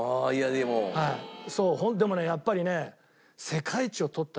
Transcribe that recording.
でもねやっぱりね。